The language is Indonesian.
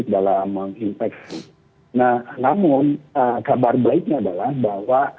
nah namun kabar baiknya adalah bahwa